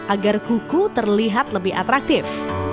agar kuku terlihat lebih atraktif